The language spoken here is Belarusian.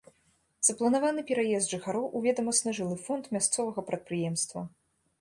Запланаваны пераезд жыхароў у ведамасны жылы фонд мясцовага прадпрыемства.